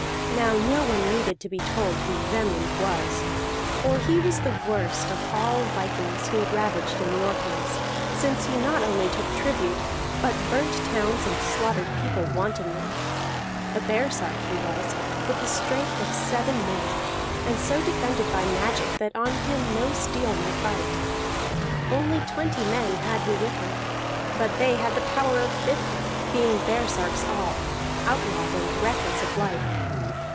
Now no one needed to be told who Vemund was. For he was the worst of all vikings who had ravaged in the Orkneys, since he not only took tribute, but burnt towns and slaughtered people wantonly. A baresark he was, with the strength of seven men, and so defended by magic that on him no steel might bite. Only twenty men had he with him, but they had the power of fifty, being baresarks all, outlawed and reckless of life.